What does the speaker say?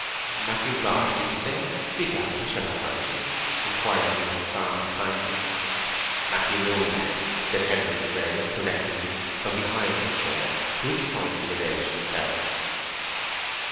"Matthew Mark, did you say?—speak out—I shall not hurt you," inquired the young farmer, kindly. "Matthew Moon, mem," said Henery Fray, correctingly, from behind her chair, to which point he had edged himself.